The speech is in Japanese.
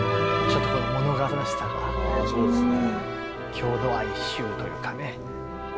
郷土愛集というかね。